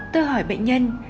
tôi hỏi bệnh nhân